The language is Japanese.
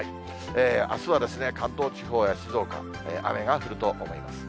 あすは関東地方や静岡、雨が降ると思います。